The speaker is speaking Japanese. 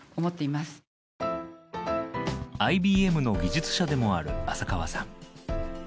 ＩＢＭの技術者でもある浅川さん。